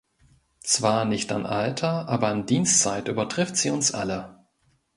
Zwar nicht an Alter, aber an Dienstzeit übertrifft sie uns alle.